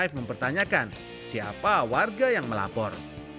f mempertanyakan siapa warga yang melapor